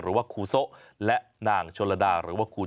ตามแนวทางศาสตร์พระราชาของในหลวงราชการที่๙